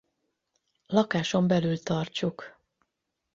Lakáson belül tartsuk.